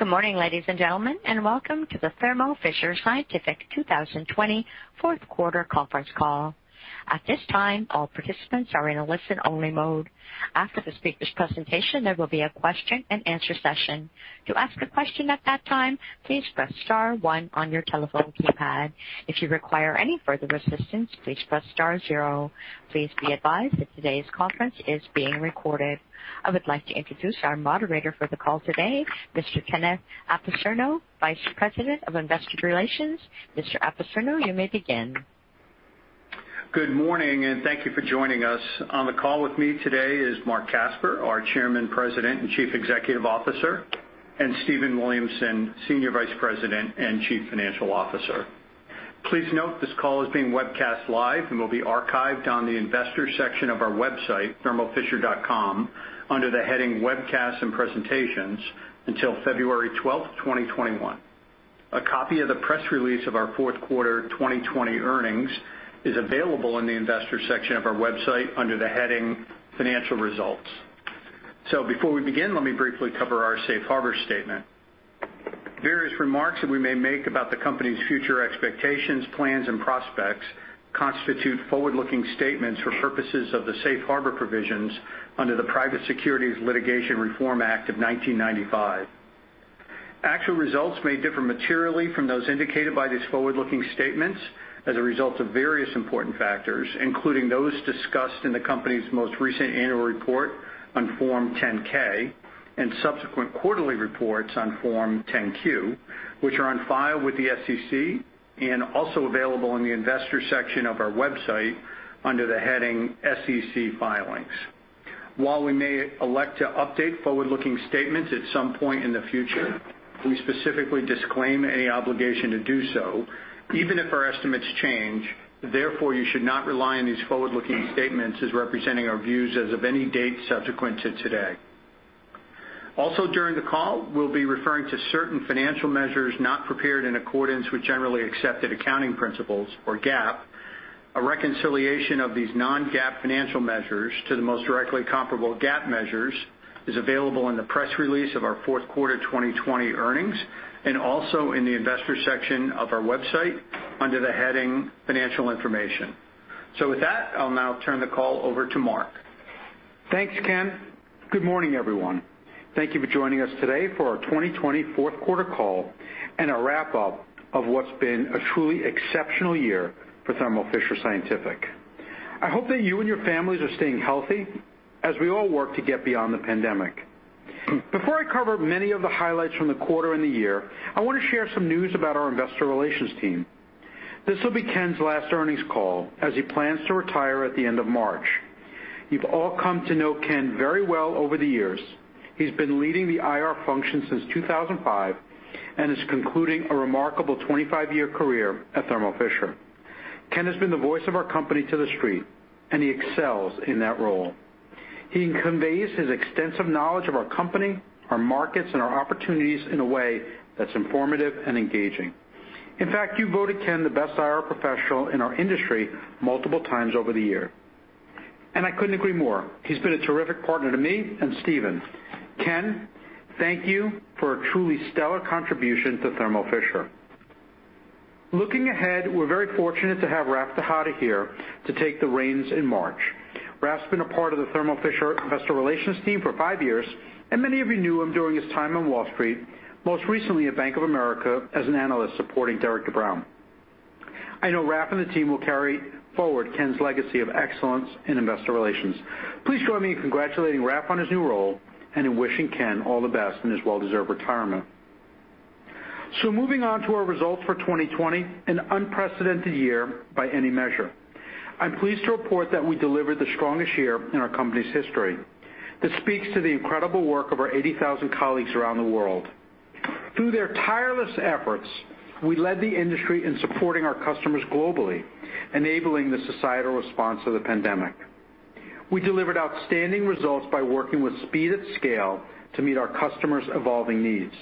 Good morning, ladies and gentlemen, and welcome to the Thermo Fisher Scientific 2020 fourth quarter conference call. At this time, all participants are in a listen-only mode. After the speakers' presentation there will be a question-and-answer session. To ask a question at that time, please press star one on your telephone keypad. If you require any further assistance, please press star zero. Please be advised that today's conference is being recorded. I would like to introduce our moderator for the call today, Mr. Kenneth Apicerno, Vice President of Investor Relations. Mr. Apicerno, you may begin. Good morning. Thank you for joining us. On the call with me today is Marc Casper, our Chairman, President, and Chief Executive Officer, and Stephen Williamson, Senior Vice President and Chief Financial Officer. Please note this call is being webcast live and will be archived on the Investors section of our website, thermofisher.com, under the heading Webcasts and Presentations until February 12th, 2021. A copy of the press release of our fourth quarter 2020 earnings is available in the Investors section of our website under the heading Financial Results. Before we begin, let me briefly cover our safe harbor statement. Various remarks that we may make about the company's future expectations, plans, and prospects constitute forward-looking statements for purposes of the safe harbor provisions under the Private Securities Litigation Reform Act of 1995. Actual results may differ materially from those indicated by these forward-looking statements as a result of various important factors, including those discussed in the company's most recent annual report on Form 10-K and subsequent quarterly reports on Form 10-Q, which are on file with the SEC and also available in the Investors section of our website under the heading SEC Filings. While we may elect to update forward-looking statements at some point in the future, we specifically disclaim any obligation to do so even if our estimates change. You should not rely on these forward-looking statements as representing our views as of any date subsequent to today. During the call, we'll be referring to certain financial measures not prepared in accordance with generally accepted accounting principles, or GAAP. A reconciliation of these non-GAAP financial measures to the most directly comparable GAAP measures is available in the press release of our fourth quarter 2020 earnings, and also in the Investors section of our website under the heading Financial Information. With that, I'll now turn the call over to Marc. Thanks, Ken. Good morning, everyone. Thank you for joining us today for our 2020 fourth quarter call and a wrap-up of what's been a truly exceptional year for Thermo Fisher Scientific. I hope that you and your families are staying healthy as we all work to get beyond the pandemic. Before I cover many of the highlights from the quarter and the year, I want to share some news about our Investor Relations team. This will be Ken's last earnings call as he plans to retire at the end of March. You've all come to know Ken very well over the years. He's been leading the IR function since 2005 and is concluding a remarkable 25-year career at Thermo Fisher. Ken has been the voice of our company to the Street, and he excels in that role. He conveys his extensive knowledge of our company, our markets, and our opportunities in a way that's informative and engaging. In fact, you voted Ken the best IR professional in our industry multiple times over the year, and I couldn't agree more. He's been a terrific partner to me and Stephen. Ken, thank you for a truly stellar contribution to Thermo Fisher. Looking ahead, we're very fortunate to have Raf Tejada here to take the reins in March. Raf's been a part of the Thermo Fisher Investor Relations team for five years, and many of you knew him during his time on Wall Street, most recently at Bank of America as an analyst supporting Derik de Bruin. I know Raf and the team will carry forward Ken's legacy of excellence in Investor Relations. Please join me in congratulating Raf on his new role and in wishing Ken all the best in his well-deserved retirement. Moving on to our results for 2020, an unprecedented year by any measure. I'm pleased to report that we delivered the strongest year in our company's history. This speaks to the incredible work of our 80,000 colleagues around the world. Through their tireless efforts, we led the industry in supporting our customers globally, enabling the societal response to the pandemic. We delivered outstanding results by working with speed and scale to meet our customers' evolving needs.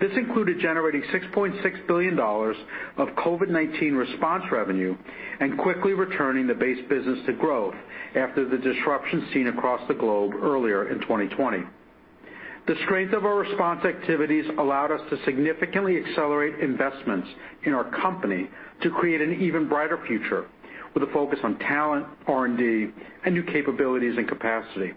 This included generating $6.6 billion of COVID-19 response revenue and quickly returning the base business to growth after the disruption seen across the globe earlier in 2020. The strength of our response activities allowed us to significantly accelerate investments in our company to create an even brighter future with a focus on talent, R&D, and new capabilities and capacity.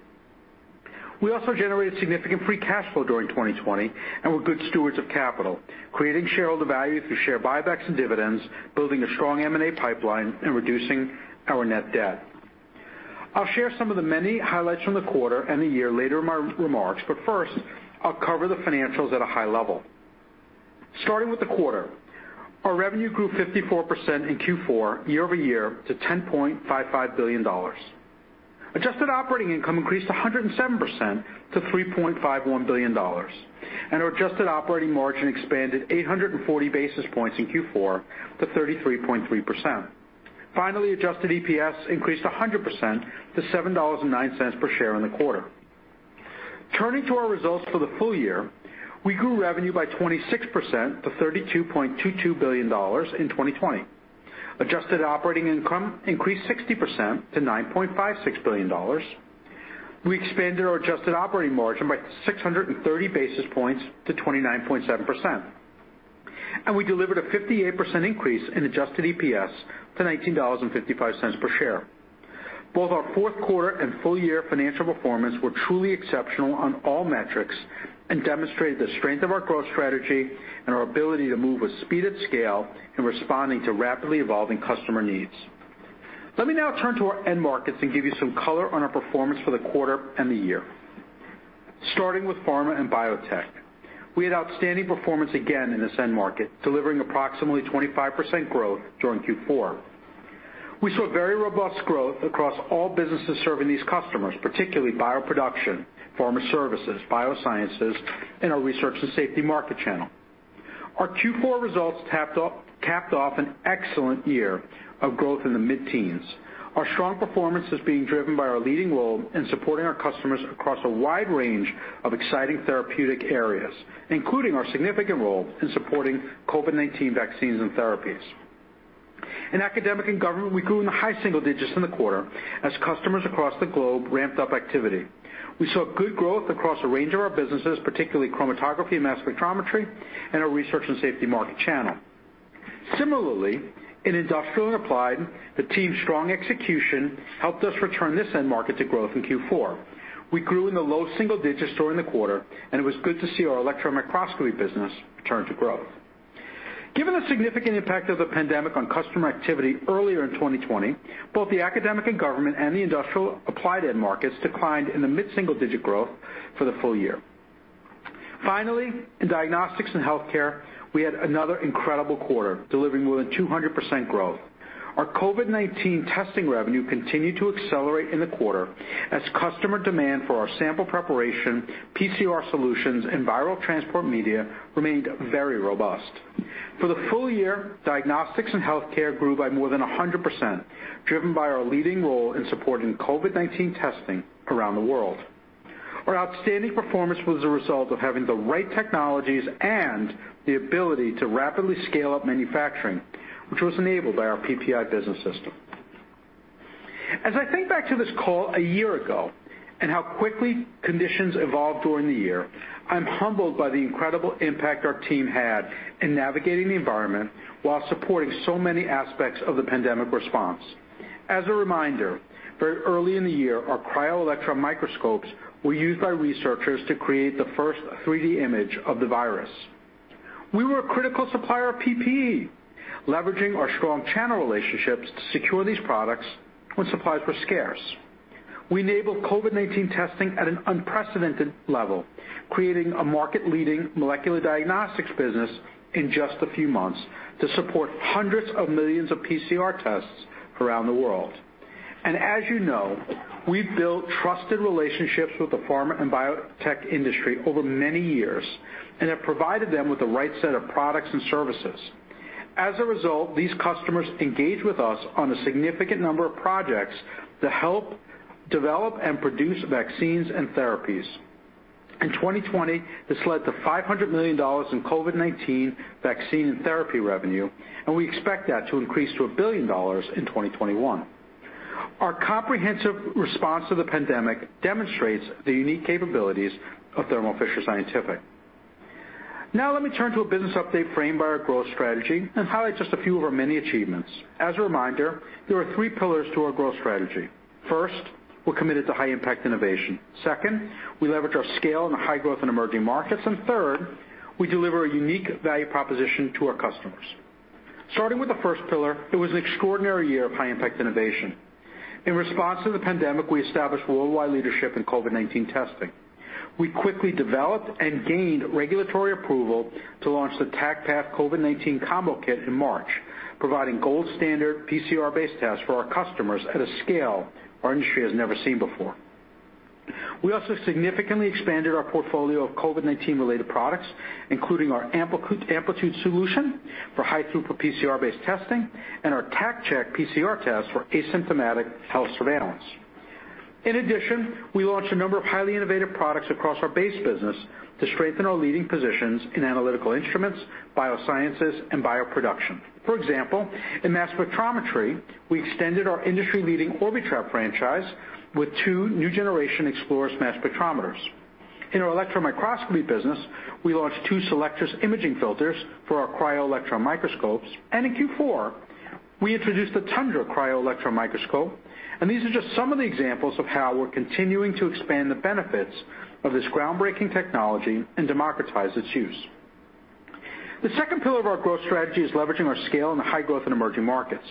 We also generated significant free cash flow during 2020 and were good stewards of capital, creating shareholder value through share buybacks and dividends, building a strong M&A pipeline, and reducing our net debt. I'll share some of the many highlights from the quarter and the year later in my remarks. First, I'll cover the financials at a high level. Starting with the quarter, our revenue grew 54% in Q4 year-over-year to $10.55 billion. Adjusted operating income increased 107% to $3.51 billion. Our adjusted operating margin expanded 840 basis points in Q4 to 33.3%. Finally, adjusted EPS increased 100% to $7.09 per share in the quarter. Turning to our results for the full year, we grew revenue by 26% to $32.22 billion in 2020. Adjusted operating income increased 60% to $9.56 billion. We expanded our adjusted operating margin by 630 basis points to 29.7%. We delivered a 58% increase in adjusted EPS to $19.55 per share. Both our fourth quarter and full year financial performance were truly exceptional on all metrics and demonstrated the strength of our growth strategy and our ability to move with speed and scale in responding to rapidly evolving customer needs. Let me now turn to our end markets and give you some color on our performance for the quarter and the year. Starting with pharma and biotech, we had outstanding performance again in this end market, delivering approximately 25% growth during Q4. We saw very robust growth across all businesses serving these customers, particularly BioProduction, Pharma Services, Biosciences, and our Research and Safety Market Channel. Our Q4 results capped off an excellent year of growth in the mid-teens. Our strong performance is being driven by our leading role in supporting our customers across a wide range of exciting therapeutic areas, including our significant role in supporting COVID-19 vaccines and therapies. In academic and government, we grew in the high single digits in the quarter as customers across the globe ramped up activity. We saw good growth across a range of our businesses, particularly chromatography, mass spectrometry, and our Research and Safety Market Channel. Similarly, in industrial and applied, the team's strong execution helped us return this end market to growth in Q4. We grew in the low single digits during the quarter. It was good to see our electron microscopy business return to growth. Given the significant impact of the pandemic on customer activity earlier in 2020, both the academic and government and the industrial applied end markets declined in the mid-single-digit growth for the full year. In diagnostics and healthcare, we had another incredible quarter, delivering more than 200% growth. Our COVID-19 testing revenue continued to accelerate in the quarter as customer demand for our sample preparation, PCR solutions, and viral transport media remained very robust. For the full year, diagnostics and healthcare grew by more than 100%, driven by our leading role in supporting COVID-19 testing around the world. Our outstanding performance was a result of having the right technologies and the ability to rapidly scale up manufacturing, which was enabled by our PPI Business System. As I think back to this call a year ago and how quickly conditions evolved during the year, I'm humbled by the incredible impact our team had in navigating the environment while supporting so many aspects of the pandemic response. As a reminder, very early in the year, our cryo-electron microscopes were used by researchers to create the first 3D image of the virus. We were a critical supplier of PPE, leveraging our strong channel relationships to secure these products when supplies were scarce. We enabled COVID-19 testing at an unprecedented level, creating a market-leading Molecular Diagnostics business in just a few months to support hundreds of millions of PCR tests around the world. As you know, we've built trusted relationships with the pharma and biotech industry over many years and have provided them with the right set of products and services. As a result, these customers engaged with us on a significant number of projects to help develop and produce vaccines and therapies. In 2020, this led to $500 million in COVID-19 vaccine and therapy revenue, and we expect that to increase to $1 billion in 2021. Our comprehensive response to the pandemic demonstrates the unique capabilities of Thermo Fisher Scientific. Now let me turn to a business update framed by our growth strategy and highlight just a few of our many achievements. As a reminder, there are three pillars to our growth strategy. First, we're committed to high-impact innovation. Second, we leverage our scale in high growth and emerging markets. Third, we deliver a unique value proposition to our customers. Starting with the first pillar, it was an extraordinary year of high-impact innovation. In response to the pandemic, we established worldwide leadership in COVID-19 testing. We quickly developed and gained regulatory approval to launch the TaqPath COVID-19 Combo Kit in March, providing gold standard PCR-based tests for our customers at a scale our industry has never seen before. We also significantly expanded our portfolio of COVID-19 related products, including our Amplitude Solution for high throughput PCR-based testing and our TaqCheck PCR test for asymptomatic health surveillance. In addition, we launched a number of highly innovative products across our base business to strengthen our leading positions Analytical Instruments, Biosciences, and BioProduction. For example, in mass spectrometry, we extended our industry-leading Orbitrap franchise with two new generation Exploris mass spectrometers. In our electron microscopy business, we launched two Selectris Imaging Filters for our cryo-electron microscopes. In Q4, we introduced the Tundra cryo-electron microscope. These are just some of the examples of how we're continuing to expand the benefits of this groundbreaking technology and democratize its use. The second pillar of our growth strategy is leveraging our scale in the high growth in emerging markets.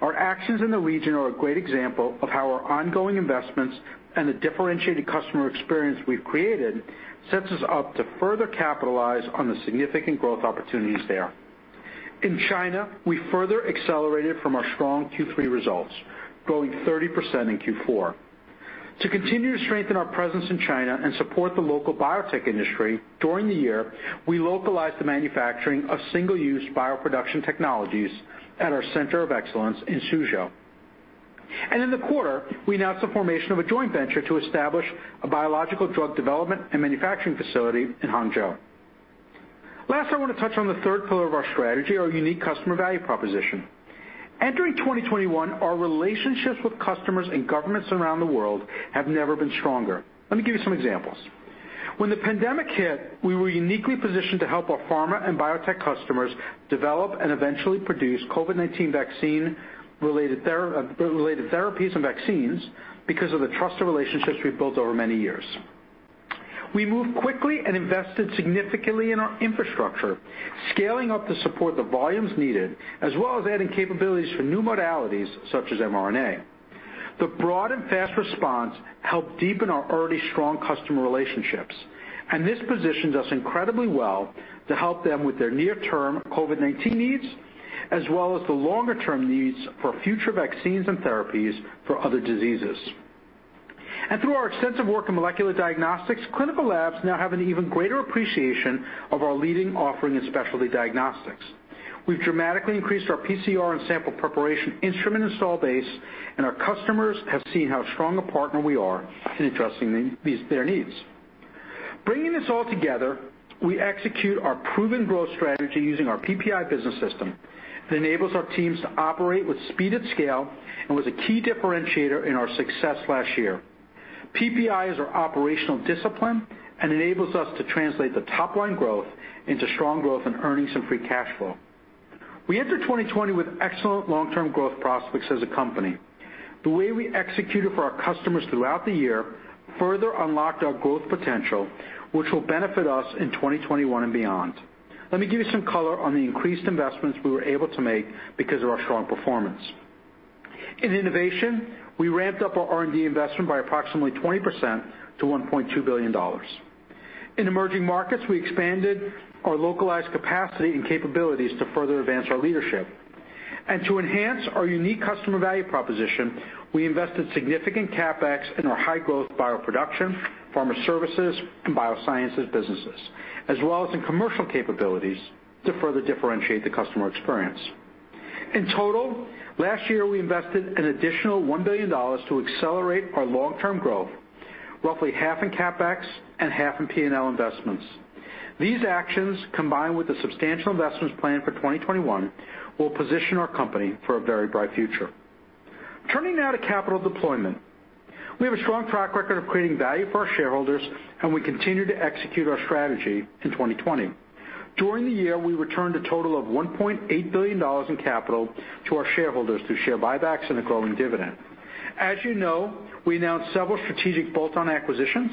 Our actions in the region are a great example of how our ongoing investments and the differentiated customer experience we've created sets us up to further capitalize on the significant growth opportunities there. In China, we further accelerated from our strong Q3 results, growing 30% in Q4. To continue to strengthen our presence in China and support the local biotech industry, during the year, we localized the manufacturing of single-use BioProduction technologies at our center of excellence in Suzhou. In the quarter, we announced the formation of a joint venture to establish a biological drug development and manufacturing facility in Hangzhou. Last, I want to touch on the third pillar of our strategy, our unique customer value proposition. Entering 2021, our relationships with customers and governments around the world have never been stronger. Let me give you some examples. When the pandemic hit, we were uniquely positioned to help our pharma and biotech customers develop and eventually produce COVID-19 vaccine, related therapies and vaccines, because of the trusted relationships we've built over many years. We moved quickly and invested significantly in our infrastructure, scaling up to support the volumes needed, as well as adding capabilities for new modalities such as mRNA. The broad and fast response help deepen our already strong customer relationships. This positions us incredibly well to help them with their near term COVID-19 needs, as well as the longer term needs for future vaccines and therapies for other diseases. Through our extensive work in Molecular Diagnostics, clinical labs now have an even greater appreciation of our leading offering in Specialty Diagnostics. We've dramatically increased our PCR and sample preparation instrument installed base, and our customers have seen how strong a partner we are in addressing their needs. Bringing this all together, we execute our proven growth strategy using our PPI Business System that enables our teams to operate with speed and scale, and was a key differentiator in our success last year. PPI is our operational discipline and enables us to translate the top line growth into strong growth in earnings and free cash flow. We enter 2020 with excellent long-term growth prospects as a company. The way we executed for our customers throughout the year further unlocked our growth potential, which will benefit us in 2021 and beyond. Let me give you some color on the increased investments we were able to make because of our strong performance. In innovation, we ramped up our R&D investment by approximately 20% to $1.2 billion. In emerging markets, we expanded our localized capacity and capabilities to further advance our leadership. To enhance our unique customer value proposition, we invested significant CapEx in our high growth BioProduction, Pharma Services, and Biosciences businesses, as well as in commercial capabilities to further differentiate the customer experience. In total, last year, we invested an additional $1 billion to accelerate our long term growth, roughly half in CapEx and half in P&L investments. These actions, combined with the substantial investments planned for 2021, will position our company for a very bright future. Turning now to capital deployment. We have a strong track record of creating value for our shareholders, and we continue to execute our strategy in 2020. During the year, we returned a total of $1.8 billion in capital to our shareholders through share buybacks and a growing dividend. As you know, we announced several strategic bolt-on acquisitions.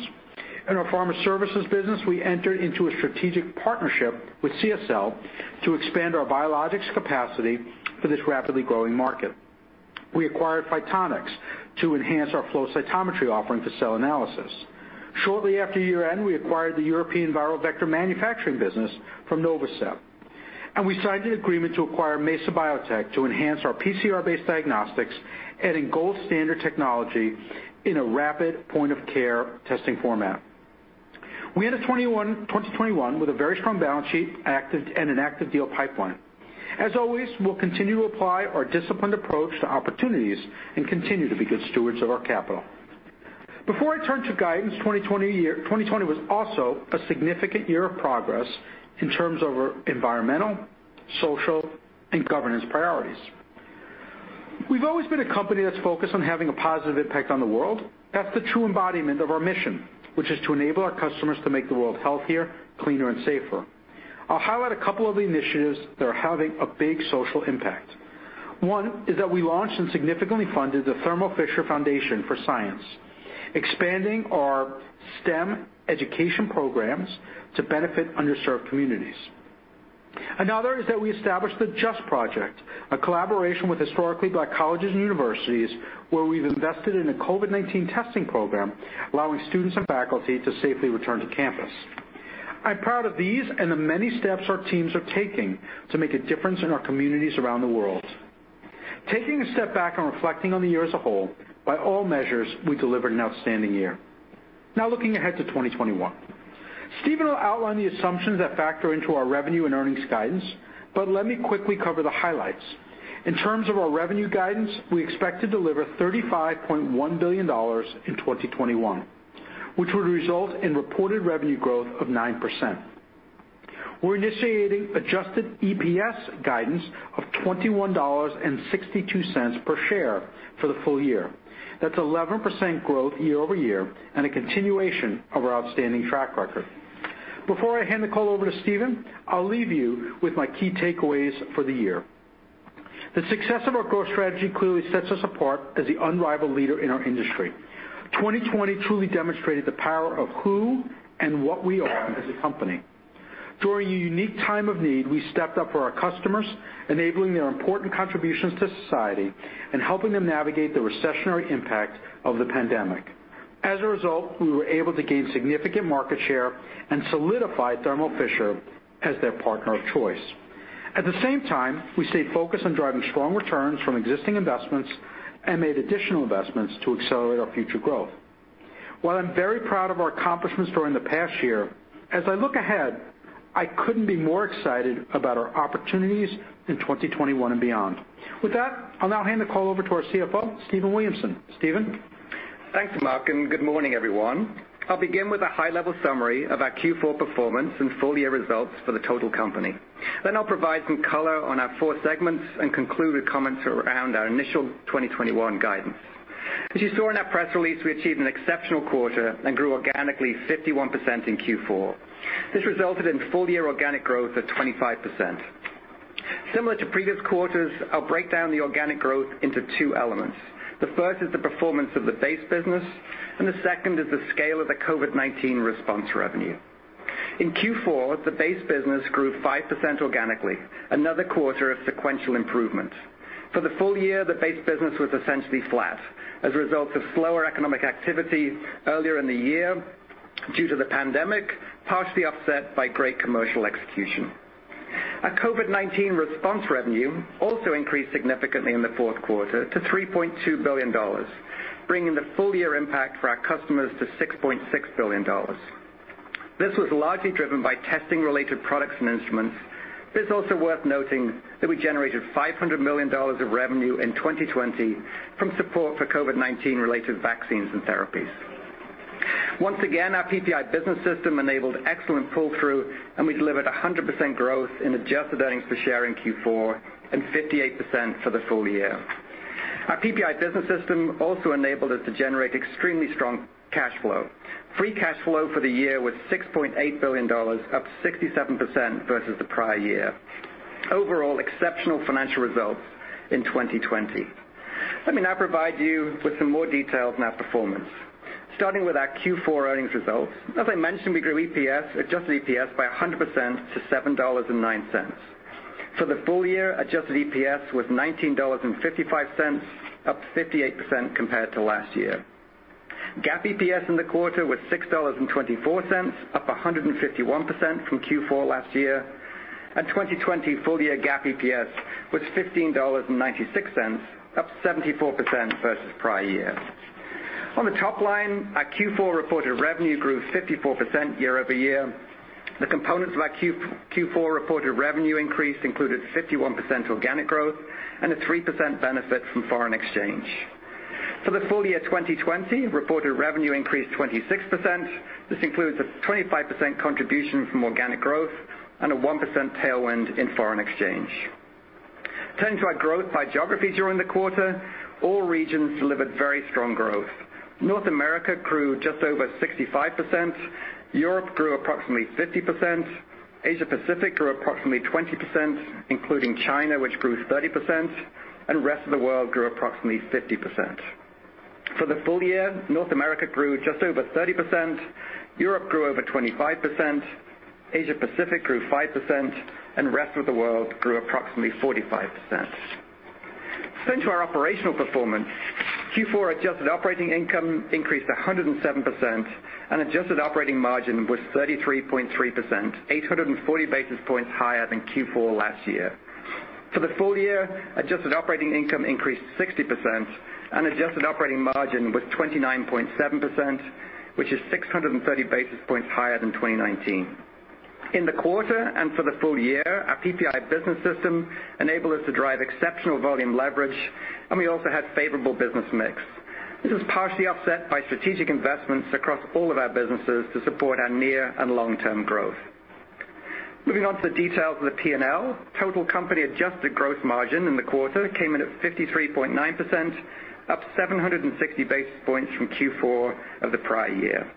In our Pharma Services business, we entered into a strategic partnership with CSL to expand our biologics capacity for this rapidly growing market. We acquired Phitonex to enhance our flow cytometry offering for cell analysis. Shortly after year-end, we acquired the European viral vector manufacturing business from Novasep. We signed an agreement to acquire Mesa Biotech to enhance our PCR-based diagnostics, adding gold standard technology in a rapid point-of-care testing format. We end 2021 with a very strong balance sheet and an active deal pipeline. As always, we'll continue to apply our disciplined approach to opportunities and continue to be good stewards of our capital. Before I turn to guidance, 2020 was also a significant year of progress in terms of our environmental, social, and governance priorities. We've always been a company that's focused on having a positive impact on the world. That's the true embodiment of our mission, which is to enable our customers to make the world healthier, cleaner, and safer. I'll highlight a couple of the initiatives that are having a big social impact. One is that we launched and significantly funded the Thermo Fisher Scientific Foundation for Science, expanding our STEM education programs to benefit underserved communities. Another is that we established the Just Project, a collaboration with historically black colleges and universities, where we've invested in a COVID-19 testing program, allowing students and faculty to safely return to campus. I'm proud of these and the many steps our teams are taking to make a difference in our communities around the world. Taking a step back and reflecting on the year as a whole, by all measures, we delivered an outstanding year. Now looking ahead to 2021. Stephen will outline the assumptions that factor into our revenue and earnings guidance, but let me quickly cover the highlights. In terms of our revenue guidance, we expect to deliver $35.1 billion in 2021, which would result in reported revenue growth of 9%. We're initiating adjusted EPS guidance of $21.62 per share for the full year. That's 11% growth year-over-year and a continuation of our outstanding track record. Before I hand the call over to Stephen, I'll leave you with my key takeaways for the year. The success of our growth strategy clearly sets us apart as the unrivaled leader in our industry. 2020 truly demonstrated the power of who and what we are as a company. During a unique time of need, we stepped up for our customers, enabling their important contributions to society and helping them navigate the recessionary impact of the pandemic. As a result, we were able to gain significant market share and solidify Thermo Fisher as their partner of choice. At the same time, we stayed focused on driving strong returns from existing investments and made additional investments to accelerate our future growth. While I'm very proud of our accomplishments during the past year, as I look ahead, I couldn't be more excited about our opportunities in 2021 and beyond. With that, I'll now hand the call over to our CFO, Stephen Williamson. Stephen? Thanks, Marc, and good morning, everyone. I'll begin with a high-level summary of our Q4 performance and full-year results for the total company. I'll provide some color on our four segments and conclude with comments around our initial 2021 guidance. As you saw in our press release, we achieved an exceptional quarter and grew organically 51% in Q4. This resulted in full-year organic growth of 25%. Similar to previous quarters, I'll break down the organic growth into two elements. The first is the performance of the base business, and the second is the scale of the COVID-19 response revenue. In Q4, the base business grew 5% organically, another quarter of sequential improvement. For the full year, the base business was essentially flat as a result of slower economic activity earlier in the year due to the pandemic, partially offset by great commercial execution. Our COVID-19 response revenue also increased significantly in the fourth quarter to $3.2 billion, bringing the full-year impact for our customers to $6.6 billion. This was largely driven by testing-related products and instruments, but it's also worth noting that we generated $500 million of revenue in 2020 from support for COVID-19-related vaccines and therapies. Once again, our PPI Business System enabled excellent pull-through, and we delivered 100% growth in adjusted earnings per share in Q4 and 58% for the full year. Our PPI Business System also enabled us to generate extremely strong cash flow. Free cash flow for the year was $6.8 billion, up 67% versus the prior year. Overall, exceptional financial results in 2020. Let me now provide you with some more details on our performance. Starting with our Q4 earnings results, as I mentioned, we grew EPS, adjusted EPS by 100% to $7.09. For the full year, adjusted EPS was $19.55, up 58% compared to last year. GAAP EPS in the quarter was $6.24, up 151% from Q4 last year, and 2020 full-year GAAP EPS was $15.96, up 74% versus prior year. On the top line, our Q4 reported revenue grew 54% year-over-year. The components of our Q4 reported revenue increase included 51% organic growth and a 3% benefit from foreign exchange. For the full year 2020, reported revenue increased 26%. This includes a 25% contribution from organic growth and a 1% tailwind in foreign exchange. Turning to our growth by geography during the quarter, all regions delivered very strong growth. North America grew just over 65%, Europe grew approximately 50%, Asia Pacific grew approximately 20%, including China, which grew 30%, and rest of the world grew approximately 50%. For the full year, North America grew just over 30%, Europe grew over 25%, Asia Pacific grew 5%, and rest of the world grew approximately 45%. Turning to our operational performance, Q4 adjusted operating income increased 107% and adjusted operating margin was 33.3%, 840 basis points higher than Q4 last year. For the full year, adjusted operating income increased 60% and adjusted operating margin was 29.7%, which is 630 basis points higher than 2019. In the quarter and for the full year, our PPI Business System enabled us to drive exceptional volume leverage, and we also had favorable business mix. This was partially offset by strategic investments across all of our businesses to support our near and long-term growth. Moving on to the details of the P&L, total company adjusted gross margin in the quarter came in at 53.9%, up 760 basis points from Q4 of the prior year.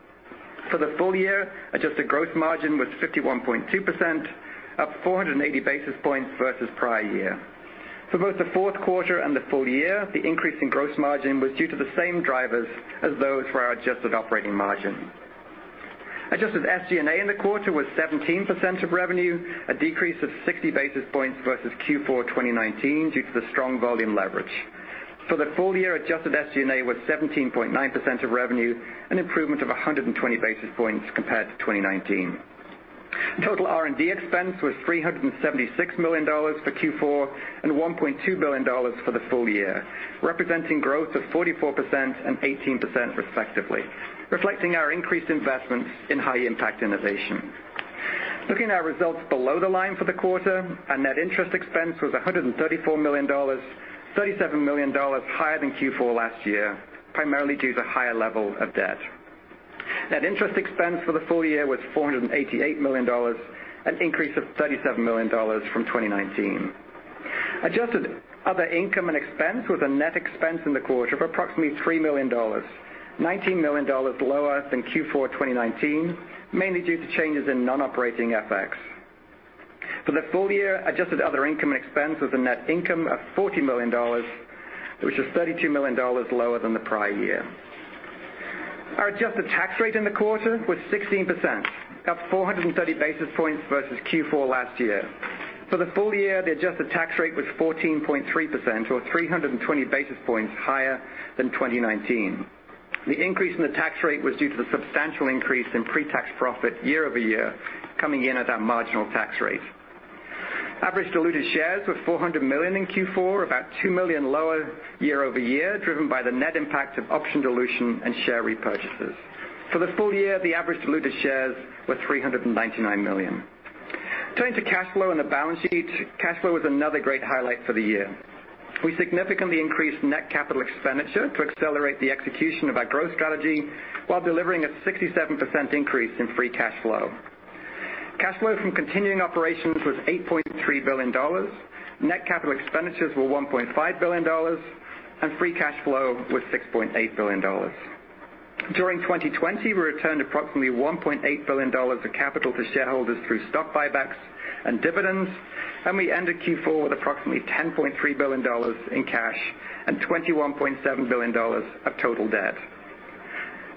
For the full year, adjusted gross margin was 51.2%, up 480 basis points versus prior year. For both the fourth quarter and the full year, the increase in gross margin was due to the same drivers as those for our adjusted operating margin. Adjusted SG&A in the quarter was 17% of revenue, a decrease of 60 basis points versus Q4 2019 due to the strong volume leverage. For the full year, adjusted SG&A was 17.9% of revenue, an improvement of 120 basis points compared to 2019. Total R&D expense was $376 million for Q4 and $1.2 billion for the full year, representing growth of 44% and 18% respectively, reflecting our increased investments in high impact innovation. Looking at our results below the line for the quarter, our net interest expense was $134 million, $37 million higher than Q4 last year, primarily due to higher level of debt. Net interest expense for the full year was $488 million, an increase of $37 million from 2019. Adjusted other income and expense was a net expense in the quarter of approximately $3 million, $19 million lower than Q4 2019, mainly due to changes in non-operating FX. For the full year, adjusted other income and expense was a net income of $40 million, which was $32 million lower than the prior year. Our adjusted tax rate in the quarter was 16%, up 430 basis points versus Q4 last year. For the full year, the adjusted tax rate was 14.3%, or 320 basis points higher than 2019. The increase in the tax rate was due to the substantial increase in pre-tax profit year-over-year coming in at our marginal tax rate. Average diluted shares were 400 million in Q4, about 2 million lower year-over-year, driven by the net impact of option dilution and share repurchases. For the full year, the average diluted shares were 399 million. Turning to cash flow and the balance sheet, cash flow was another great highlight for the year. We significantly increased net capital expenditure to accelerate the execution of our growth strategy while delivering a 67% increase in free cash flow. Cash flow from continuing operations was $8.3 billion. Net capital expenditures were $1.5 billion, and free cash flow was $6.8 billion. During 2020, we returned approximately $1.8 billion of capital to shareholders through stock buybacks and dividends. We ended Q4 with approximately $10.3 billion in cash and $21.7 billion of total debt.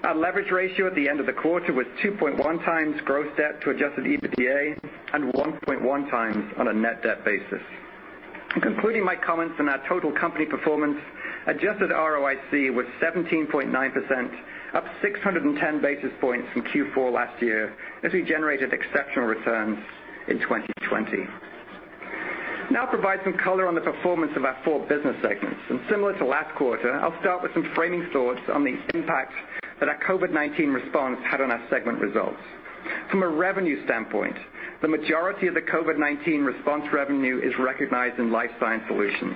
Our leverage ratio at the end of the quarter was 2.1x gross debt to adjusted EBITDA and 1.1x on a net debt basis. Concluding my comments on our total company performance, adjusted ROIC was 17.9%, up 610 basis points from Q4 last year as we generated exceptional returns in 2020. Now I'll provide some color on the performance of our four business segments. Similar to last quarter, I'll start with some framing thoughts on the impact that our COVID-19 response had on our segment results. From a revenue standpoint, the majority of the COVID-19 response revenue is recognized in Life Sciences Solutions.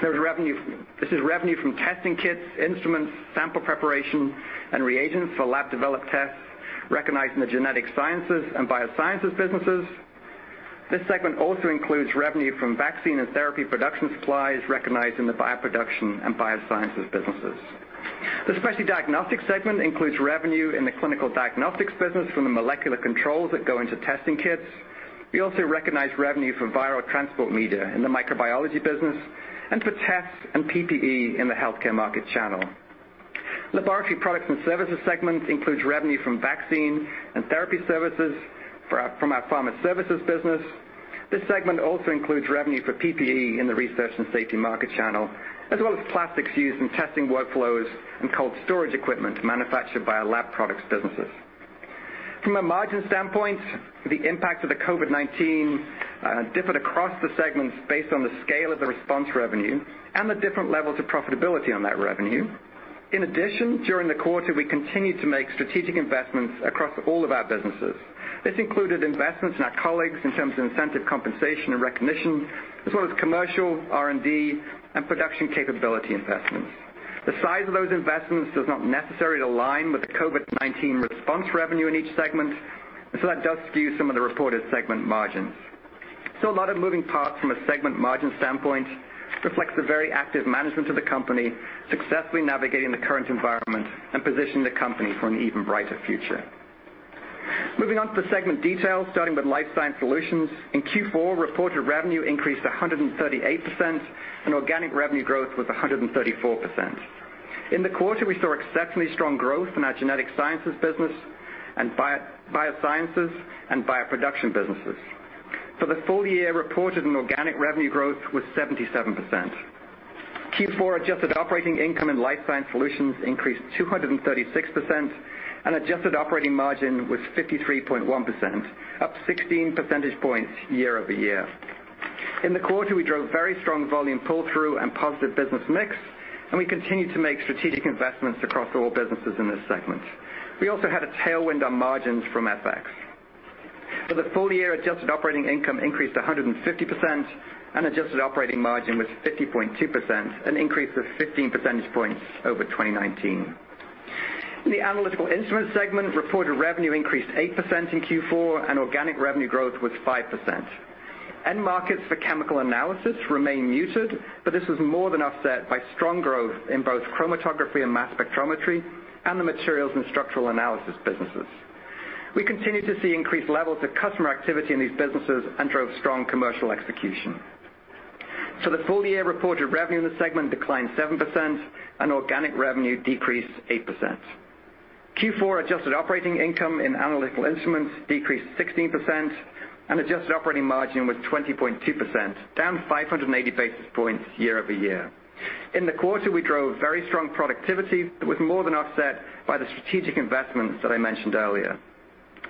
This is revenue from testing kits, instruments, sample preparation, and reagents for lab-developed tests recognized in the Genetic Sciences and Biosciences businesses. This segment also includes revenue from vaccine and therapy production supplies recognized in the BioProduction and Biosciences businesses. The Specialty Diagnostics segment includes revenue in the Clinical Diagnostics business from the molecular controls that go into testing kits. We also recognize revenue from viral transport media in the Microbiology business and for tests and PPE in the Healthcare Market Channel. Laboratory Products and Services segments includes revenue from vaccine and therapy services from our Pharma Services business. This segment also includes revenue for PPE in the Research and Safety Market Channel, as well as plastics used in testing workflows and cold storage equipment manufactured by our Lab Products businesses. From a margin standpoint, the impact of the COVID-19 differed across the segments based on the scale of the response revenue and the different levels of profitability on that revenue. In addition, during the quarter, we continued to make strategic investments across all of our businesses. This included investments in our colleagues in terms of incentive compensation and recognition, as well as commercial, R&D, and production capability investments. The size of those investments does not necessarily align with the COVID-19 response revenue in each segment. That does skew some of the reported segment margins. A lot of moving parts from a segment margin standpoint reflects the very active management of the company successfully navigating the current environment and positioning the company for an even brighter future. Moving on to the segment details, starting with Life Sciences Solutions. In Q4, reported revenue increased 138%, and organic revenue growth was 134%. In the quarter, we saw exceptionally strong growth in our Genetic Sciences business and Biosciences and BioProduction businesses. For the full year, reported and organic revenue growth was 77%. Q4 adjusted operating income in Life Sciences Solutions increased 236%, and adjusted operating margin was 53.1%, up 16 percentage points year-over-year. In the quarter, we drove very strong volume pull-through and positive business mix, and we continued to make strategic investments across all businesses in this segment. We also had a tailwind on margins from FX. For the full year, adjusted operating income increased 150%, and adjusted operating margin was 50.2%, an increase of 15 percentage points over 2019. In Analytical Instruments segment, reported revenue increased 8% in Q4, and organic revenue growth was 5%. End markets for Chemical Analysis remain muted, but this was more than offset by strong growth in both chromatography and mass spectrometry and the Materials and Structural Analysis businesses. We continued to see increased levels of customer activity in these businesses and drove strong commercial execution. The full-year reported revenue in the segment declined 7%, and organic revenue decreased 8%. Q4 adjusted operating income Analytical Instruments decreased 16%, and adjusted operating margin was 20.2%, down 580 basis points year-over-year. In the quarter, we drove very strong productivity that was more than offset by the strategic investments that I mentioned earlier.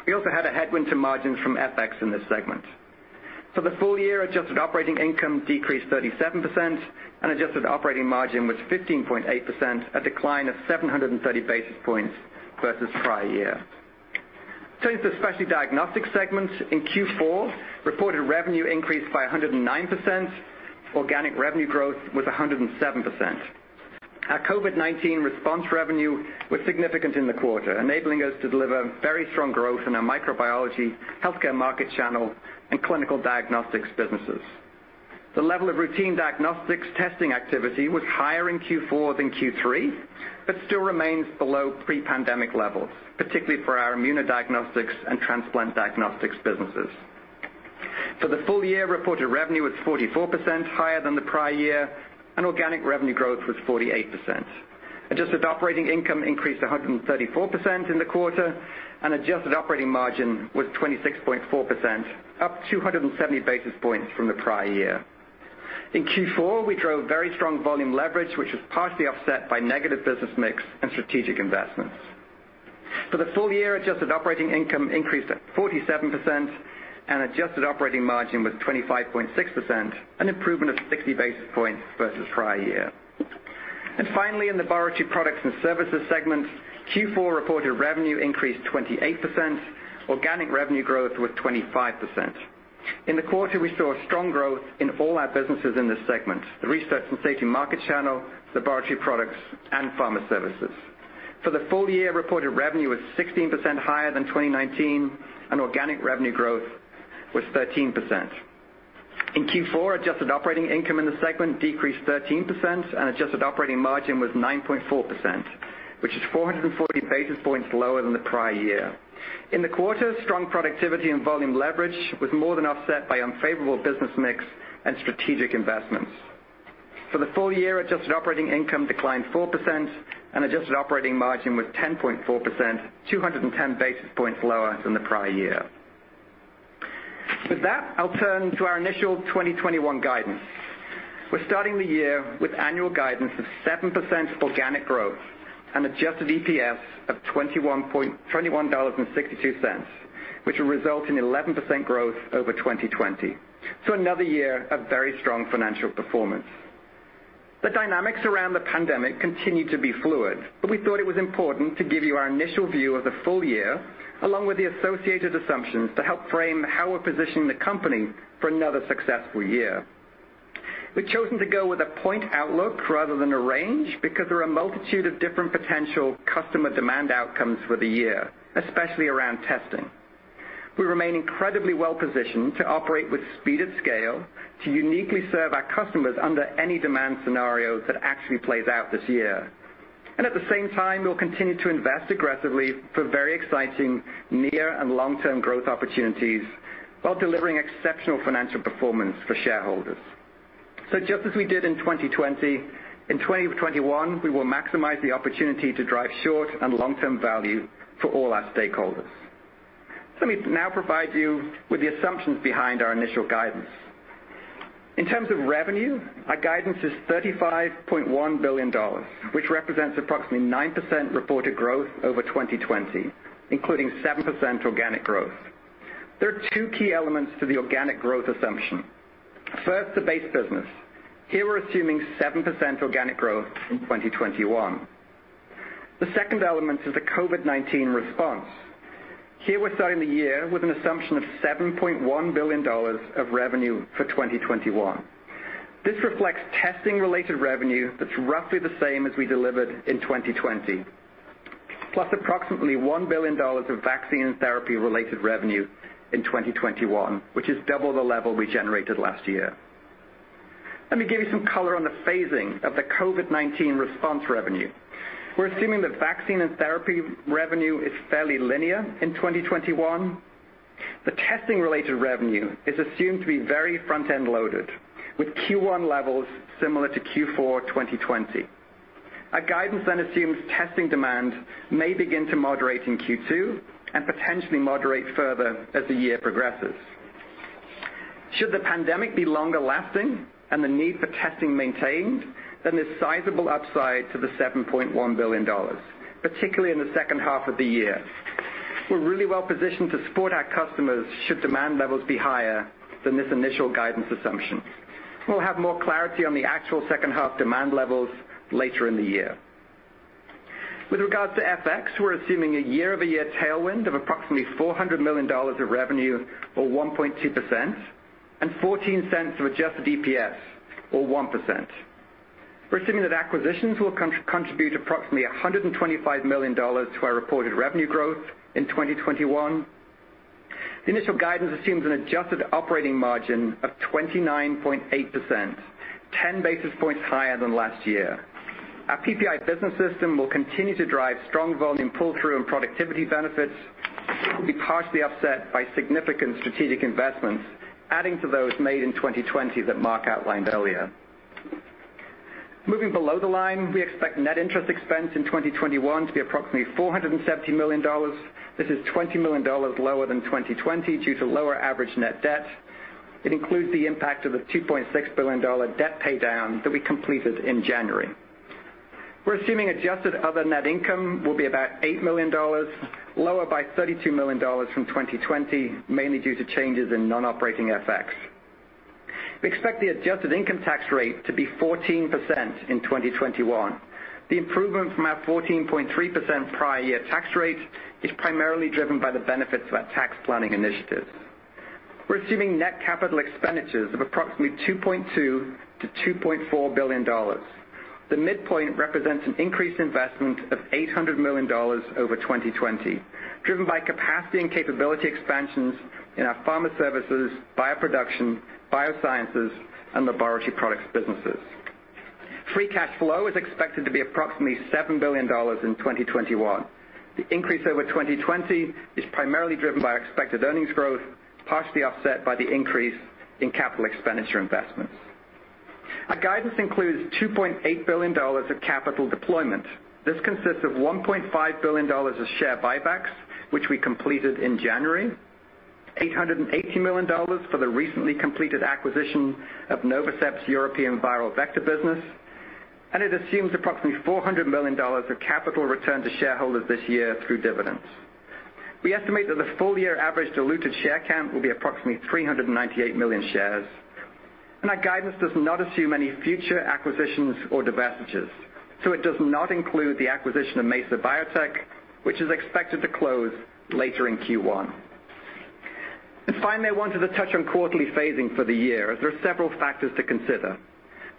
We also had a headwind to margins from FX in this segment. The full year, adjusted operating income decreased 37%, and adjusted operating margin was 15.8%, a decline of 730 basis points versus prior year. Turning to the Specialty Diagnostics segment. In Q4, reported revenue increased by 109%. Organic revenue growth was 107%. Our COVID-19 response revenue was significant in the quarter, enabling us to deliver very strong growth in our Microbiology, Healthcare Market Channel and Clinical Diagnostics businesses. The level of routine diagnostics testing activity was higher in Q4 than Q3, but still remains below pre-pandemic levels, particularly for our ImmunoDiagnostics and Transplant Diagnostics businesses. For the full year, reported revenue was 44% higher than the prior year, and organic revenue growth was 48%. Adjusted operating income increased 134% in the quarter, and adjusted operating margin was 26.4%, up 270 basis points from the prior year. In Q4, we drove very strong volume leverage, which was partially offset by negative business mix and strategic investments. For the full year, adjusted operating income increased at 47%, and adjusted operating margin was 25.6%, an improvement of 60 basis points versus prior year. Finally, in the Laboratory Products and Services segment, Q4 reported revenue increased 28%. Organic revenue growth was 25%. In the quarter, we saw strong growth in all our businesses in this segment, the Research and Safety Market Channel, Laboratory Products, and Pharma Services. For the full year, reported revenue was 16% higher than 2019, and organic revenue growth was 13%. In Q4, adjusted operating income in the segment decreased 13%, and adjusted operating margin was 9.4%, which is 440 basis points lower than the prior year. In the quarter, strong productivity and volume leverage was more than offset by unfavorable business mix and strategic investments. For the full year, adjusted operating income declined 4%, and adjusted operating margin was 10.4%, 210 basis points lower than the prior year. With that, I'll turn to our initial 2021 guidance. We're starting the year with annual guidance of 7% organic growth and adjusted EPS of $21.62, which will result in 11% growth over 2020. Another year of very strong financial performance. The dynamics around the pandemic continue to be fluid, but we thought it was important to give you our initial view of the full year, along with the associated assumptions to help frame how we're positioning the company for another successful year. We've chosen to go with a point outlook rather than a range, because there are a multitude of different potential customer demand outcomes for the year, especially around testing. We remain incredibly well-positioned to operate with speed and scale to uniquely serve our customers under any demand scenario that actually plays out this year. At the same time, we'll continue to invest aggressively for very exciting near and long-term growth opportunities while delivering exceptional financial performance for shareholders. Just as we did in 2020, in 2021, we will maximize the opportunity to drive short and long-term value for all our stakeholders. Let me now provide you with the assumptions behind our initial guidance. In terms of revenue, our guidance is $35.1 billion, which represents approximately 9% reported growth over 2020, including 7% organic growth. There are two key elements to the organic growth assumption. First, the base business. Here, we're assuming 7% organic growth in 2021. The second element is the COVID-19 response. Here, we're starting the year with an assumption of $7.1 billion of revenue for 2021. This reflects testing-related revenue that's roughly the same as we delivered in 2020, plus approximately $1 billion of vaccine and therapy-related revenue in 2021, which is double the level we generated last year. Let me give you some color on the phasing of the COVID-19 response revenue. We're assuming that vaccine and therapy revenue is fairly linear in 2021. The testing-related revenue is assumed to be very front-end loaded, with Q1 levels similar to Q4 2020. Our guidance then assumes testing demand may begin to moderate in Q2 and potentially moderate further as the year progresses. Should the pandemic be longer lasting and the need for testing maintained, then there's sizable upside to the $7.1 billion, particularly in the second half of the year. We're really well-positioned to support our customers should demand levels be higher than this initial guidance assumption. We'll have more clarity on the actual second half demand levels later in the year. With regards to FX, we're assuming a year-over-year tailwind of approximately $400 million of revenue, or 1.2%, and $0.14 of adjusted EPS, or 1%. We're assuming that acquisitions will contribute approximately $125 million to our reported revenue growth in 2021. The initial guidance assumes an adjusted operating margin of 29.8%, 10 basis points higher than last year. Our PPI Business System will continue to drive strong volume pull-through and productivity benefits, which will be partially offset by significant strategic investments, adding to those made in 2020 that Marc outlined earlier. Moving below the line, we expect net interest expense in 2021 to be approximately $470 million. This is $20 million lower than 2020 due to lower average net debt. It includes the impact of the $2.6 billion debt paydown that we completed in January. We're assuming adjusted other net income will be about $8 million, lower by $32 million from 2020, mainly due to changes in non-operating FX. We expect the adjusted income tax rate to be 14% in 2021. The improvement from our 14.3% prior year tax rate is primarily driven by the benefits of our tax planning initiatives. We're assuming net capital expenditures of approximately $2.2 billion-$2.4 billion. The midpoint represents an increased investment of $800 million over 2020, driven by capacity and capability expansions in our Pharma Services, BioProduction, Biosciences, and Laboratory Products businesses. Free cash flow is expected to be approximately $7 billion in 2021. The increase over 2020 is primarily driven by expected earnings growth, partially offset by the increase in capital expenditure investments. Our guidance includes $2.8 billion of capital deployment. This consists of $1.5 billion of share buybacks, which we completed in January, $880 million for the recently completed acquisition of Novasep's European viral vector business. It assumes approximately $400 million of capital return to shareholders this year through dividends. We estimate that the full-year average diluted share count will be approximately 398 million shares. Our guidance does not assume any future acquisitions or divestitures, it does not include the acquisition of Mesa Biotech, which is expected to close later in Q1. Finally, I wanted to touch on quarterly phasing for the year, as there are several factors to consider.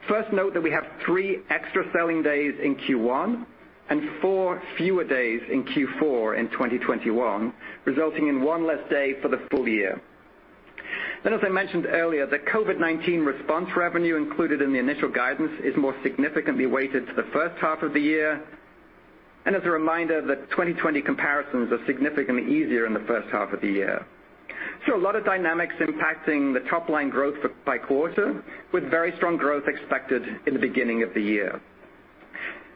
First, note that we have three extra selling days in Q1 and four fewer days in Q4 in 2021, resulting in one less day for the full year. As I mentioned earlier, the COVID-19 response revenue included in the initial guidance is more significantly weighted to the first half of the year. As a reminder that 2020 comparisons are significantly easier in the first half of the year. A lot of dynamics impacting the top-line growth by quarter with very strong growth expected in the beginning of the year.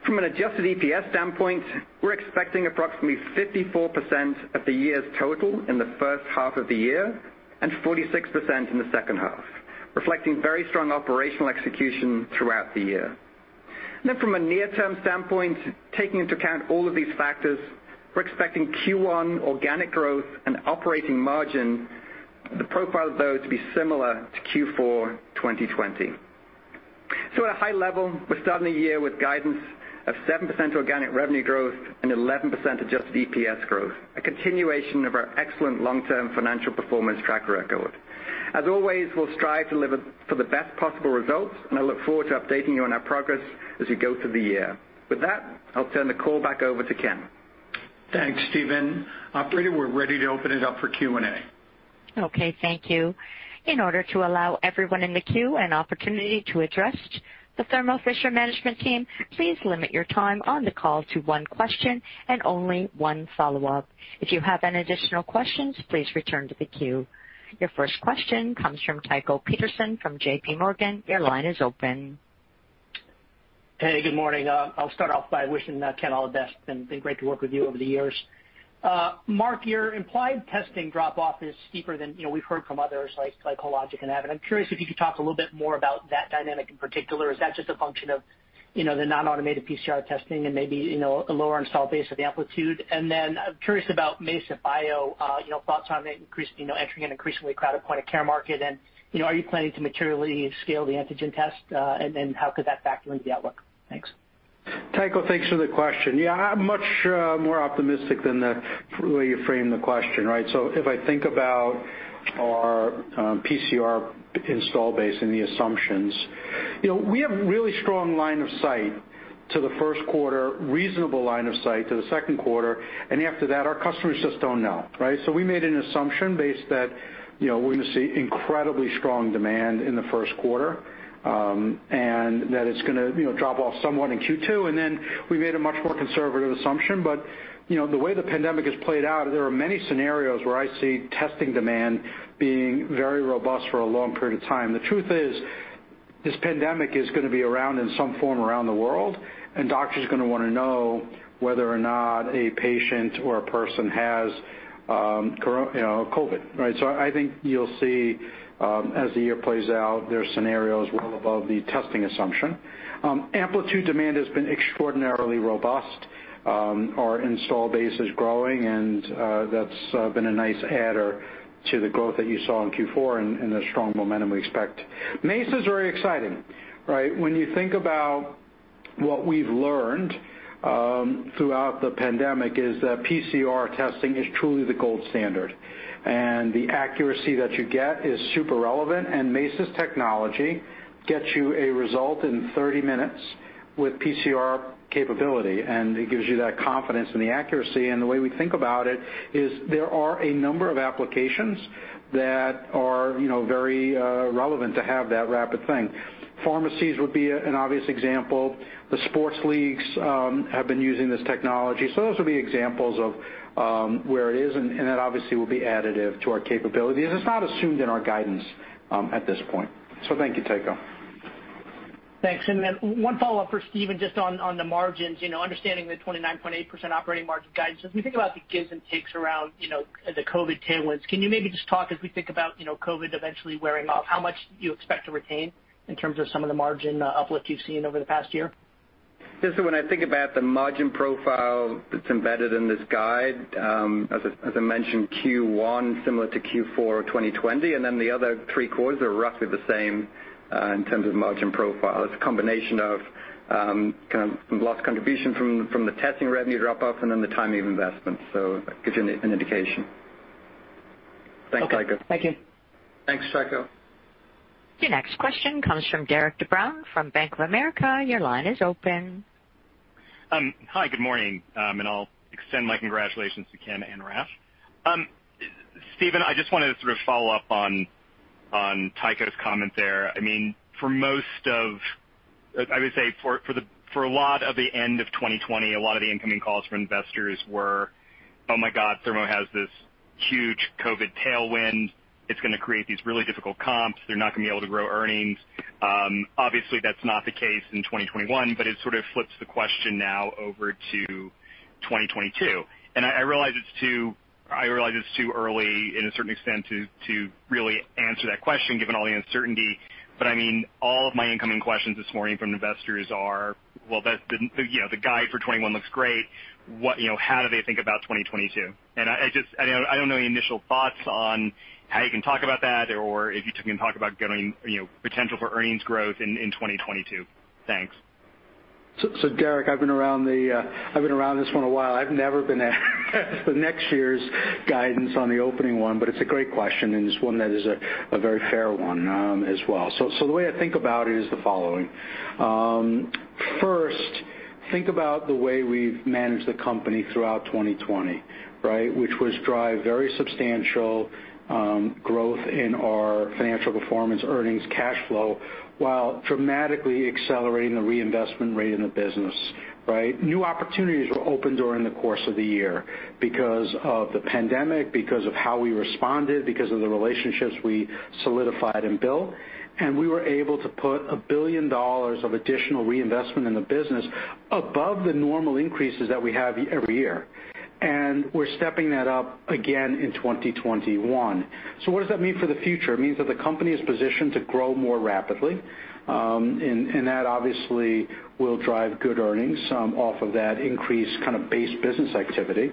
From an adjusted EPS standpoint, we're expecting approximately 54% of the year's total in the first half of the year and 46% in the second half, reflecting very strong operational execution throughout the year. From a near-term standpoint, taking into account all of these factors, we're expecting Q1 organic growth and operating margin, the profile of those, to be similar to Q4 2020. At a high level, we're starting the year with guidance of 7% organic revenue growth and 11% adjusted EPS growth, a continuation of our excellent long-term financial performance track record. As always, we'll strive to deliver for the best possible results, and I look forward to updating you on our progress as we go through the year. With that, I'll turn the call back over to Ken. Thanks, Stephen. Operator, we're ready to open it up for Q&A. Okay, thank you. In order to allow everyone in the queue an opportunity to address the Thermo Fisher Scientific management team, please limit your time on the call to one question and only one follow-up. If you have any additional questions, please return to the queue. Your first question comes from Tycho Peterson from JPMorgan. Your line is open. Hey, good morning. I'll start off by wishing Ken all the best. Been great to work with you over the years. Marc, your implied testing drop-off is steeper than we've heard from others like Hologic and Abbott. I'm curious if you could talk a little bit more about that dynamic in particular. Is that just a function of the non-automated PCR testing and maybe a lower installed base of the Amplitude? I'm curious about Mesa Biotech, thoughts on entering an increasingly crowded point-of-care market. Are you planning to materially scale the antigen test? How could that factor into the outlook? Thanks. Tycho, thanks for the question. Yeah, I am much more optimistic than the way you framed the question, right? If I think about our PCR installed base and the assumptions, we have really strong line of sight to the first quarter, reasonable line of sight to the second quarter, and after that, our customers just don't know, right? We made an assumption based that we're going to see incredibly strong demand in the first quarter, and that it's going to drop off somewhat in Q2, and then we made a much more conservative assumption. The way the pandemic has played out, there are many scenarios where I see testing demand being very robust for a long period of time. The truth is, this pandemic is going to be around in some form around the world, and doctors are going to want to know whether or not a patient or a person has COVID, right? I think you'll see, as the year plays out, there are scenarios well above the testing assumption. Amplitude demand has been extraordinarily robust. Our installed base is growing, and that's been a nice adder to the growth that you saw in Q4 and the strong momentum we expect. Mesa is very exciting, right? When you think about what we've learned throughout the pandemic is that PCR testing is truly the gold standard, and the accuracy that you get is super relevant, and Mesa's technology gets you a result in 30 minutes with PCR capability, and it gives you that confidence in the accuracy. The way we think about it is there are a number of applications that are very relevant to have that rapid thing. Pharmacies would be an obvious example. The sports leagues have been using this technology. Those would be examples of where it is, and that obviously will be additive to our capabilities, and it's not assumed in our guidance at this point. Thank you, Tycho. Thanks. Then one follow-up for Stephen, just on the margins, understanding the 29.8% operating margin guidance. As we think about the gives and takes around the COVID tailwinds, can you maybe just talk as we think about COVID eventually wearing off, how much do you expect to retain in terms of some of the margin uplift you've seen over the past year? Yeah. When I think about the margin profile that's embedded in this guide, as I mentioned, Q1 similar to Q4 2020, and then the other three quarters are roughly the same in terms of margin profile. It's a combination of kind of lost contribution from the testing revenue drop-off and then the timing of investments. That gives you an indication. Thanks, Tycho. Okay. Thank you. Thanks, Tycho. Your next question comes from Derik de Bruin from Bank of America. Your line is open. Hi, good morning, and I'll extend my congratulations to Ken and Raf. Stephen, I just wanted to sort of follow up on Tycho's comment there. I would say for a lot of the end of 2020, a lot of the incoming calls from investors were, "Oh my God. Thermo has this huge COVID tailwind. It's going to create these really difficult comps. They're not going to be able to grow earnings." Obviously, that's not the case in 2021, but it sort of flips the question now over to 2022. I realize it's too early in a certain extent to really answer that question, given all the uncertainty, but all of my incoming questions this morning from investors are, "Well, the guide for 2021 looks great. How do they think about 2022? I don't know any initial thoughts on how you can talk about that, or if you can talk about potential for earnings growth in 2022. Thanks. Derik, I've been around this one a while. I've never been asked the next year's guidance on the opening one, but it's a great question, and it's one that is a very fair one as well. The way I think about it is the following. First, think about the way we've managed the company throughout 2020. Which was drive very substantial growth in our financial performance, earnings, cash flow, while dramatically accelerating the reinvestment rate in the business. New opportunities were opened during the course of the year because of the pandemic, because of how we responded, because of the relationships we solidified and built, and we were able to put $1 billion of additional reinvestment in the business above the normal increases that we have every year. We're stepping that up again in 2021. What does that mean for the future? It means that the company is positioned to grow more rapidly, that obviously will drive good earnings off of that increased base business activity.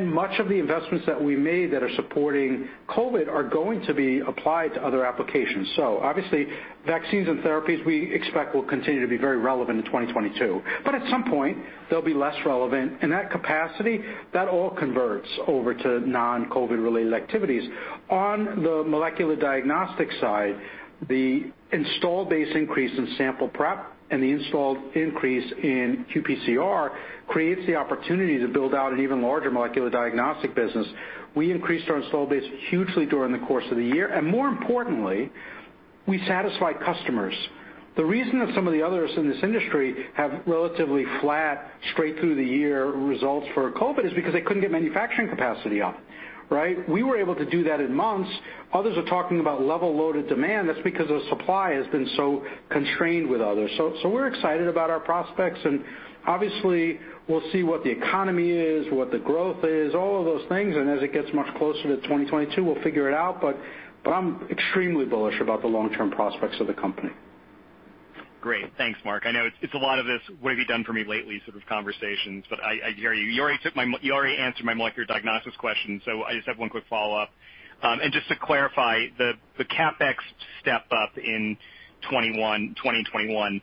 Much of the investments that we made that are supporting COVID are going to be applied to other applications. Obviously, vaccines and therapies we expect will continue to be very relevant in 2022. At some point, they'll be less relevant, and that capacity all converts over to non-COVID related activities. On the Molecular Diagnostics side, the installed base increase in sample prep and the installed increase in qPCR creates the opportunity to build out an even larger Molecular Diagnostic business. We increased our installed base hugely during the course of the year, more importantly, we satisfied customers. The reason that some of the others in this industry have relatively flat straight through the year results for COVID is because they couldn't get manufacturing capacity up. We were able to do that in months. Others are talking about level load of demand. That's because the supply has been so constrained with others. We're excited about our prospects, and obviously we'll see what the economy is, what the growth is, all of those things, and as it gets much closer to 2022, we'll figure it out. I'm extremely bullish about the long-term prospects of the company. Great. Thanks, Marc. I know it's a lot of this what have you done for me lately sort of conversations, but I hear you. You already answered my Molecular Diagnostics question, so I just have one quick follow-up. Just to clarify, the CapEx step-up in 2020 and 2021,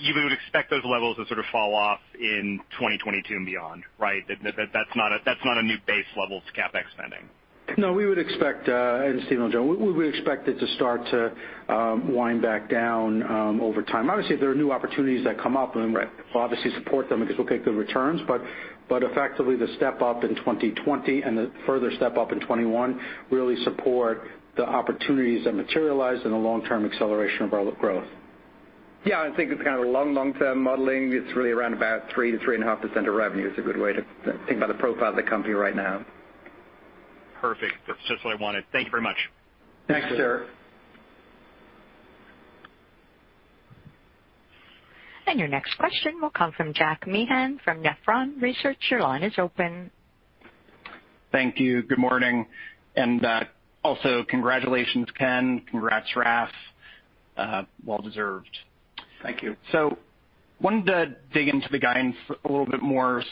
you would expect those levels to sort of fall off in 2022 and beyond, right? That's not a new base level to CapEx spending. No, we would expect, and Stephen will jump in, we would expect it to start to wind back down over time. Obviously, if there are new opportunities that come up, then we'll obviously support them because we'll get good returns. Effectively, the step-up in 2020 and the further step-up in 2021 really support the opportunities that materialize and the long-term acceleration of our growth. Yeah, I think it's kind of a long, long-term modeling. It's really around about 3%-3.5% of revenue is a good way to think about the profile of the company right now. Perfect. That's just what I wanted. Thank you very much. Thanks, Derik. Thanks. Your next question will come from Jack Meehan from Nephron Research. Your line is open. Thank you. Good morning, and also congratulations, Ken. Congrats, Raf. Well deserved. Thank you. Wanted to dig into the guidance a little bit more,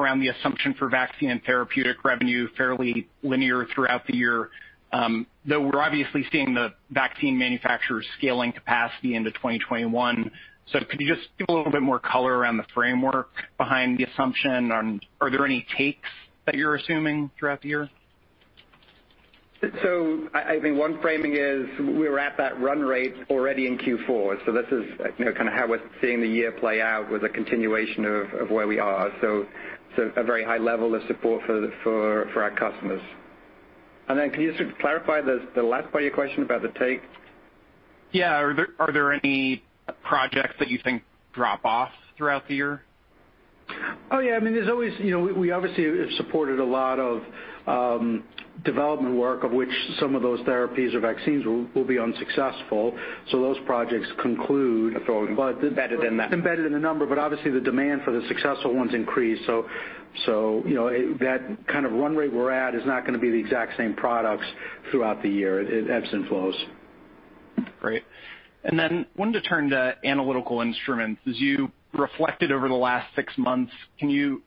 around the assumption for vaccine and therapeutic revenue, fairly linear throughout the year. Though we're obviously seeing the vaccine manufacturers scaling capacity into 2021. Could you just give a little bit more color around the framework behind the assumption? Are there any takes that you're assuming throughout the year? I think one framing is we were at that run rate already in Q4, so this is kind of how we're seeing the year play out, with a continuation of where we are. A very high level of support for our customers. Can you sort of clarify the last part of your question about the take? Yeah. Are there any projects that you think drop off throughout the year? Oh, yeah. We obviously have supported a lot of development work, of which some of those therapies or vaccines will be unsuccessful. Those projects conclude. That's already embedded in that. Embedded in the number, but obviously the demand for the successful ones increase. That kind of run rate we're at is not going to be the exact same products throughout the year. It ebbs and flows. Great. Then wanted to turn Analytical Instruments. as you reflected over the last six months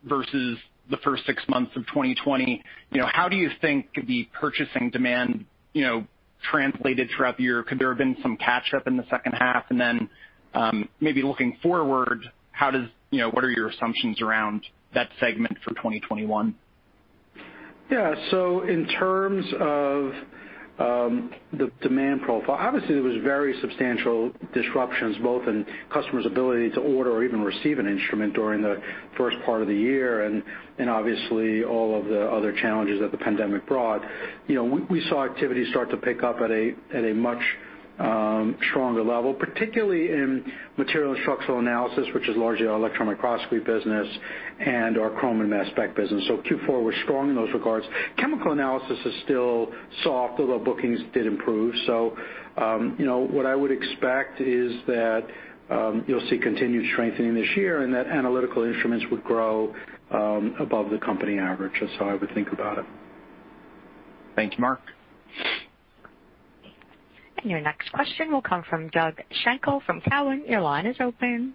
versus the first six months of 2020, how do you think the purchasing demand translated throughout the year? Could there have been some catch-up in the second half? Then maybe looking forward, what are your assumptions around that segment for 2021? Yeah. In terms of the demand profile, obviously there was very substantial disruptions, both in customers' ability to order or even receive an instrument during the first part of the year, and obviously all of the other challenges that the pandemic brought. We saw activity start to pick up at a much stronger level, particularly in Materials and Structural Analysis, which is largely our electron microscopy business and our chromatography and mass spec business. Q4 was strong in those regards. Chemical Analysis is still soft, although bookings did improve. What I would expect is that you'll see continued strengthening this year and Analytical Instruments would grow above the company average. That's how I would think about it. Thank you, Marc. Your next question will come from Doug Schenkel from Cowen. Your line is open.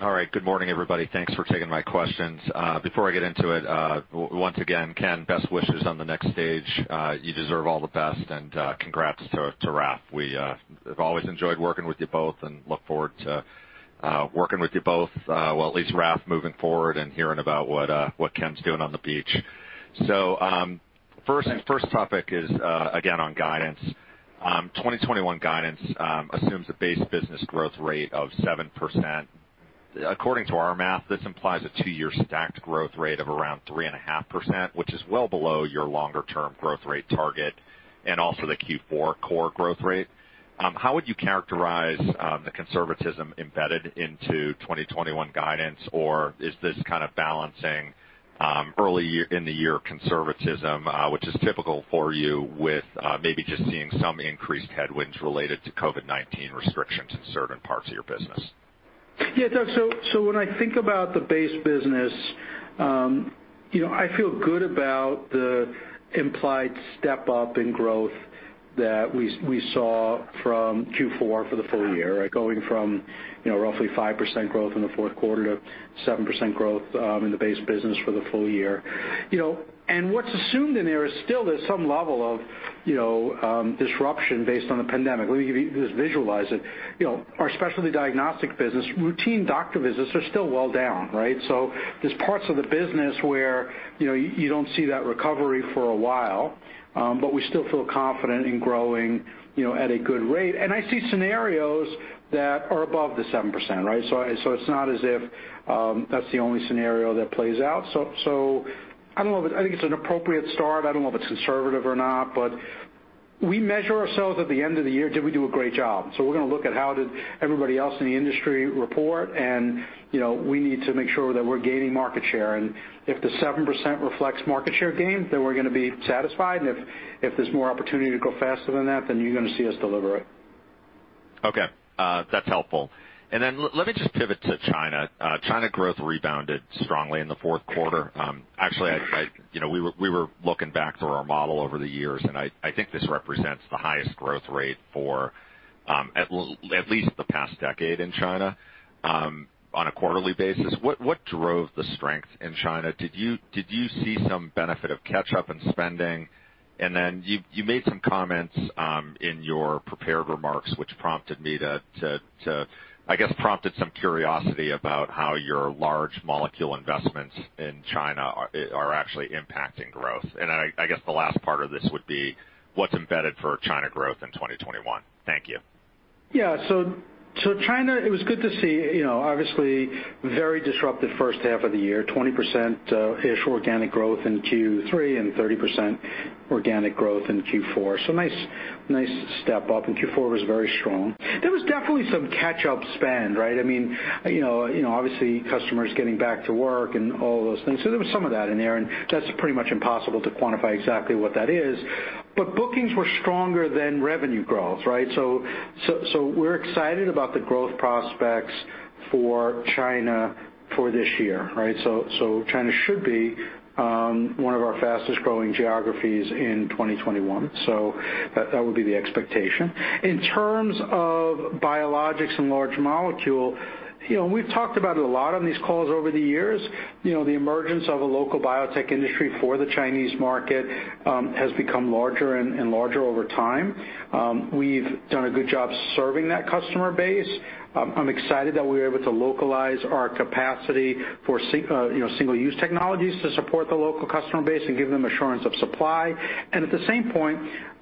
All right. Good morning, everybody. Thanks for taking my questions. Before I get into it, once again, Ken, best wishes on the next stage. You deserve all the best and congrats to Raf. We have always enjoyed working with you both and look forward to working with you both, well, at least Raf moving forward and hearing about what Ken's doing on the beach. First topic is again on guidance. 2021 guidance assumes a base business growth rate of 7%. According to our math, this implies a two-year stacked growth rate of around 3.5%, which is well below your longer-term growth rate target and also the Q4 core growth rate. How would you characterize the conservatism embedded into 2021 guidance, or is this kind of balancing early in the year conservatism, which is typical for you with maybe just seeing some increased headwinds related to COVID-19 restrictions in certain parts of your business? Yeah, Doug, when I think about the base business, I feel good about the implied step-up in growth that we saw from Q4 for the full year, going from roughly 5% growth in the fourth quarter to 7% growth in the base business for the full year. What's assumed in there is still there's some level of disruption based on the pandemic. Let me give you, just visualize it. Our Specialty Diagnostics business, routine doctor visits are still well down, right? There's parts of the business where you don't see that recovery for a while, we still feel confident in growing at a good rate. I see scenarios that are above the 7%, right? It's not as if that's the only scenario that plays out. I think it's an appropriate start. I don't know if it's conservative or not, but we measure ourselves at the end of the year, did we do a great job? We're going to look at how did everybody else in the industry report and we need to make sure that we're gaining market share. If the 7% reflects market share gain, then we're going to be satisfied, and if there's more opportunity to grow faster than that, then you're going to see us deliver it. Okay. That's helpful. Let me just pivot to China. China growth rebounded strongly in the fourth quarter. Actually, we were looking back through our model over the years, and I think this represents the highest growth rate for at least the past decade in China on a quarterly basis. What drove the strength in China? Did you see some benefit of catch-up in spending? You made some comments in your prepared remarks, which prompted me to, I guess, prompted some curiosity about how your large molecule investments in China are actually impacting growth. I guess the last part of this would be what's embedded for China growth in 2021? Thank you. China, it was good to see, obviously very disrupted first half of the year, 20%-ish organic growth in Q3 and 30% organic growth in Q4. Nice step-up, and Q4 was very strong. There was definitely some catch-up spend, right? Obviously customers getting back to work and all those things. There was some of that in there, and that's pretty much impossible to quantify exactly what that is. Bookings were stronger than revenue growth, right? We're excited about the growth prospects for China for this year, right? China should be one of our fastest-growing geographies in 2021. That would be the expectation. In terms of biologics and large molecule, we've talked about it a lot on these calls over the years. The emergence of a local biotech industry for the Chinese market has become larger and larger over time. We've done a good job serving that customer base. I'm excited that we're able to localize our capacity for single-use technologies to support the local customer base and give them assurance of supply. At the same point,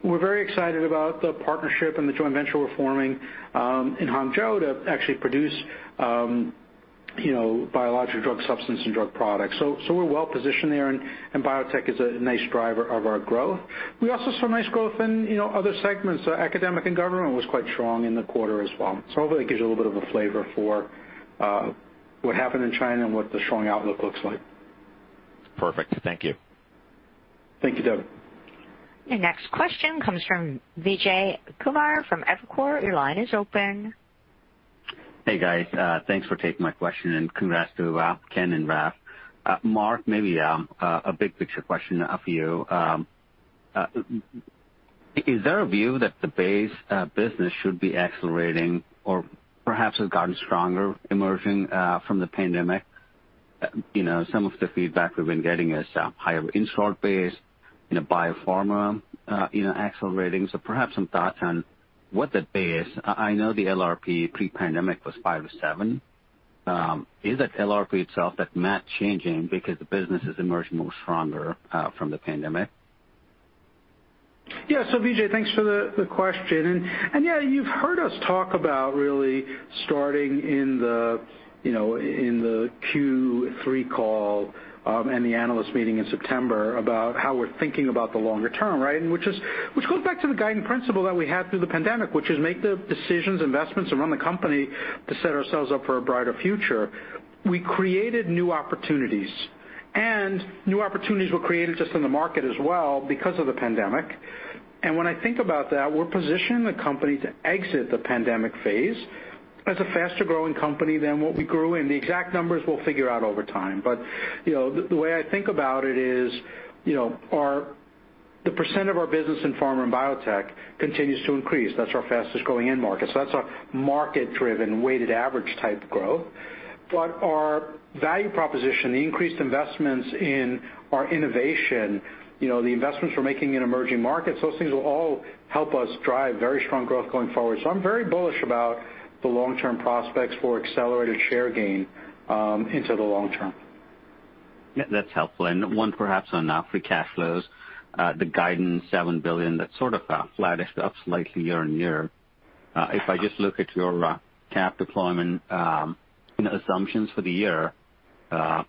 we're very excited about the partnership and the joint venture we're forming in Hangzhou to actually produce biologic drug substance and drug products. We're well positioned there, and biotech is a nice driver of our growth. We also saw nice growth in other segments. Academic and government was quite strong in the quarter as well. Hopefully it gives you a little bit of a flavor for what happened in China and what the strong outlook looks like. Perfect. Thank you. Thank you, Doug. Your next question comes from Vijay Kumar from Evercore. Your line is open. Hey, guys. Thanks for taking my question, and congrats to Ken and Raf. Marc, a big picture question for you. Is there a view that the base business should be accelerating or perhaps has gotten stronger emerging from the pandemic? Some of the feedback we've been getting is higher installed base in biopharma accelerating. Perhaps some thoughts on what I know the LRP pre-pandemic was 5%-7%. Is it LRP itself that's not changing because the business has emerged more stronger from the pandemic? Yeah. Vijay, thanks for the question. Yeah, you've heard us talk about really starting in the Q3 call and the analyst meeting in September about how we're thinking about the longer term, right? Which goes back to the guiding principle that we had through the pandemic, which is make the decisions, investments, and run the company to set ourselves up for a brighter future. We created new opportunities, and new opportunities were created just in the market as well because of the pandemic. When I think about that, we're positioning the company to exit the pandemic phase. As a faster-growing company than what we grew in. The exact numbers we'll figure out over time. The way I think about it is, the percent of our business in pharma and biotech continues to increase. That's our fastest-growing end market. That's our market-driven, weighted average type growth. Our value proposition, the increased investments in our innovation, the investments we're making in emerging markets, those things will all help us drive very strong growth going forward. I'm very bullish about the long-term prospects for accelerated share gain into the long term. Yeah, that's helpful. One perhaps on free cash flows, the guidance, $7 billion, that sort of flattish up slightly year-on-year. If I just look at your CapEx deployment assumptions for the year,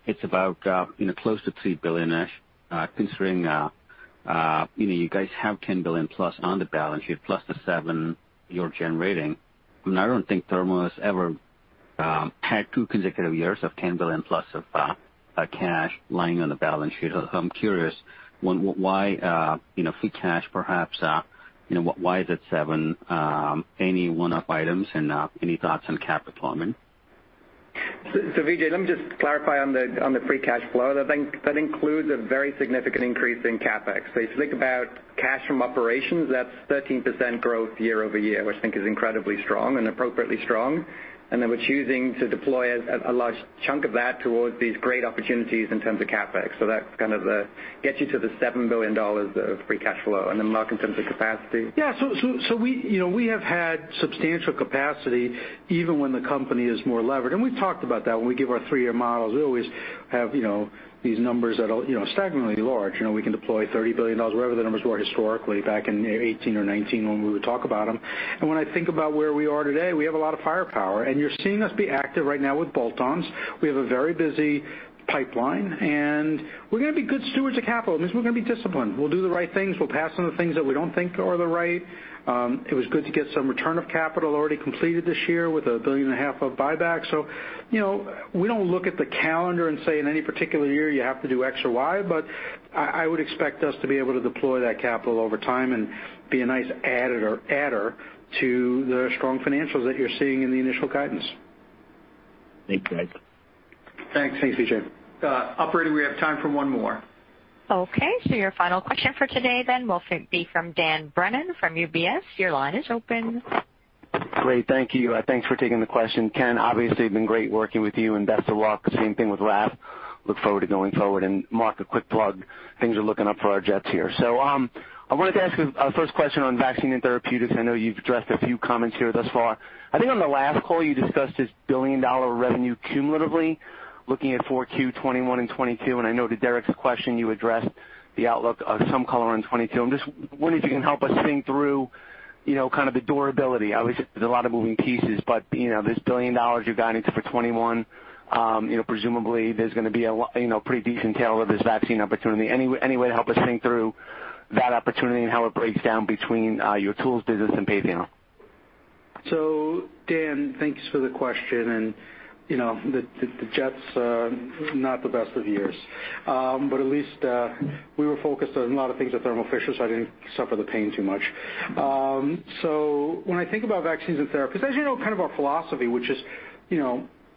it's about close to $3 billion-ish, considering you guys have $10 billion+ on the balance sheet plus the $7 billion you're generating. I don't think Thermo has ever had two consecutive years of $10 billion+ of cash lying on the balance sheet. I'm curious, why free cash, perhaps why is it $7 billion? Any one-off items? Any thoughts on CapEx deployment? Vijay, let me just clarify on the free cash flow. That includes a very significant increase in CapEx. If you think about cash from operations, that's 13% growth year-over-year, which I think is incredibly strong and appropriately strong. We're choosing to deploy a large chunk of that towards these great opportunities in terms of CapEx. That kind of gets you to the $7 billion of free cash flow. Marc, in terms of capacity? Yeah. We have had substantial capacity even when the company is more levered. We've talked about that. When we give our three-year models, we always have these numbers that are staggeringly large. We can deploy $30 billion, whatever the numbers were historically back in 2018 or 2019 when we would talk about them. When I think about where we are today, we have a lot of firepower, and you're seeing us be active right now with bolt-ons. We have a very busy pipeline, and we're going to be good stewards of capital. That means we're going to be disciplined. We'll do the right things. We'll pass on the things that we don't think are the right. It was good to get some return of capital already completed this year with $1.5 billion of buyback. We don't look at the calendar and say, in any particular year, you have to do X or Y, but I would expect us to be able to deploy that capital over time and be a nice adder to the strong financials that you're seeing in the initial guidance. Thanks, guys. Thanks. Thanks, Vijay. Operator, we have time for one more. Okay, your final question for today then will be from Dan Brennan from UBS. Your line is open. Great. Thank you. Thanks for taking the question. Ken, obviously, it's been great working with you and best of luck. Same thing with Raf. Look forward to going forward. Marc, a quick plug. Things are looking up for our Jets here. I wanted to ask a first question on vaccine and therapeutics. I know you've addressed a few comments here thus far. I think on the last call, you discussed this billion-dollar revenue cumulatively looking at 4Q 2021 and 2022, and I know to Derik's question, you addressed the outlook of some color on 2022. I'm just wondering if you can help us think through kind of the durability? Obviously, there's a lot of moving pieces, but this $1 billion you guided for 2021, presumably there's going to be a pretty decent tail of this vaccine opportunity. Any way to help us think through that opportunity and how it breaks down between your tools business and Patheon? Dan, thanks for the question, and the Jets, not the best of years. At least, we were focused on a lot of things at Thermo Fisher, so I didn't suffer the pain too much. When I think about vaccines and therapies, as you know, kind of our philosophy, which is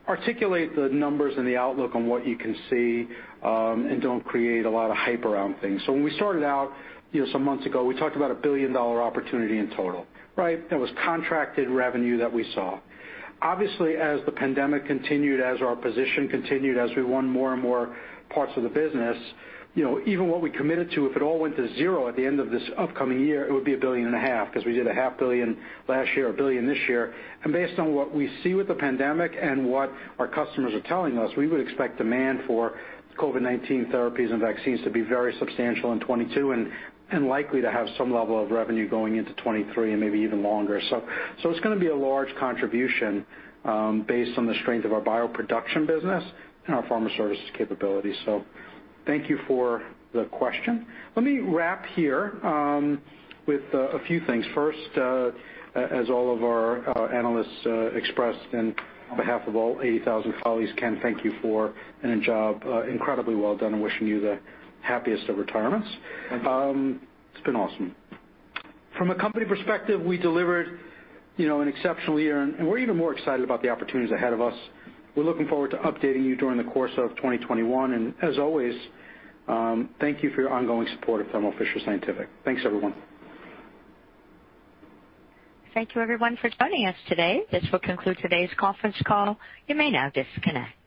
articulate the numbers and the outlook on what you can see, and don't create a lot of hype around things. When we started out some months ago, we talked about $1 billion opportunity in total, right? That was contracted revenue that we saw. Obviously, as the pandemic continued, as our position continued, as we won more and more parts of the business, even what we committed to, if it all went to zero at the end of this upcoming year, it would be $1.5 billion because we did $0.5 Billion last year, $1 billion this year. And based on what we see with the pandemic and what our customers are telling us, we would expect demand for COVID-19 therapies and vaccines to be very substantial in 2022 and likely to have some level of revenue going into 2023 and maybe even longer. It's going to be a large contribution, based on the strength of our BioProduction business and our Pharma Services capability. Thank you for the question. Let me wrap here with a few things. As all of our analysts expressed and on behalf of all 80,000 colleagues, Ken, thank you for a job incredibly well done. I'm wishing you the happiest of retirements. Thank you. It's been awesome. From a company perspective, we delivered an exceptional year, and we're even more excited about the opportunities ahead of us. We're looking forward to updating you during the course of 2021. As always, thank you for your ongoing support of Thermo Fisher Scientific. Thanks, everyone. Thank you everyone for joining us today. This will conclude today's conference call. You may now disconnect.